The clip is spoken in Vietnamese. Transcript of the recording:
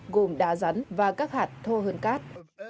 gồm đá rắn và các hạt thô hơn cát